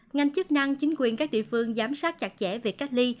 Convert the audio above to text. ngành chức năng chính quyền các địa phương giám sát chặt chẽ việc cách ly